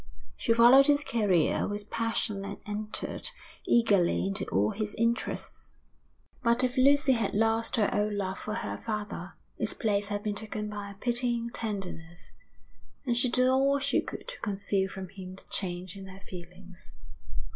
She followed his career with passion and entered eagerly into all his interests. But if Lucy had lost her old love for her father, its place had been taken by a pitying tenderness; and she did all she could to conceal from him the change in her feelings.